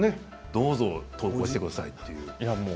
どうぞ投稿してくださいと。